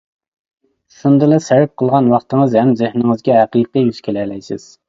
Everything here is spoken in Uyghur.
شۇندىلا، سەرپ قىلغان ۋاقتىڭىز ھەم زېھنىڭىزگە ھەقىقىي يۈز كېلەلەيسىز.